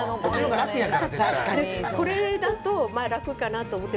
これだと楽かなと思って。